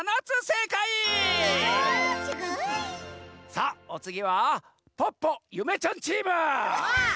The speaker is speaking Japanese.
さあおつぎはポッポゆめちゃんチーム！